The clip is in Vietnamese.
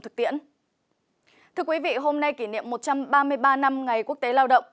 thưa quý vị hôm nay kỷ niệm một trăm ba mươi ba năm ngày quốc tế lao động